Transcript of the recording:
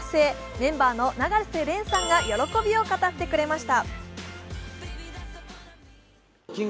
メンバーの永瀬廉さんが喜びを語ってくれました。